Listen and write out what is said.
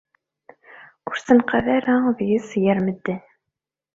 Ur ssenqad ara deg-s gar medden.